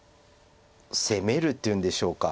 攻めるっていうんでしょうか。